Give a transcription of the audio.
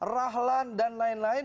rahlan dan lain lain